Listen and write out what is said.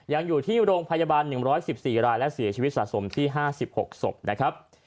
ยังอยู่ที่โรงพยาบาล๑๑๔รายและเสียชีวิตสะสมที่๕๖ศพนะครับ